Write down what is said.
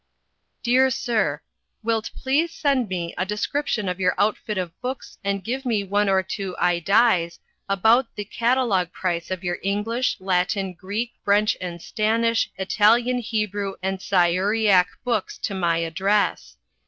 "Dear Sir: "Wilt please send me a description of your outfit of Books and give me one or two iedies abought the catalogue price of your English, Latin Greek brench and stanish Italian Hebrew and Siyuriak books to my address.